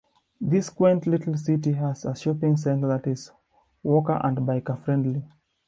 This quaint little city has a shopping center that is walker and biker friendly.